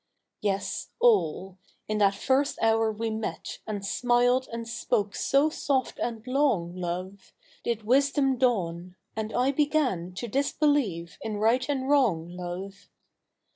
Ves, all. In that first Jiour we met And smiled and spoke so soft and long, loi'e, Did 'wisdom dawn ; and I began To disbelieve in right and wrong, love.